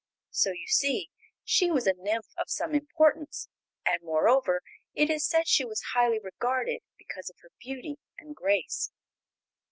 So you see she was a nymph of some importance, and, moreover, it is said she was highly regarded because of her beauty and grace.